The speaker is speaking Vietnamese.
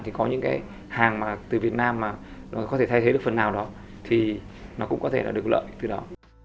thì có những cái hàng mà từ việt nam mà có thể thay thế được phần nào đó thì nó cũng có thể là được lợi từ đó